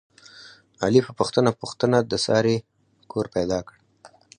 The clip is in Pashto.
علي په پوښته پوښتنه د سارې کور پیدا کړ.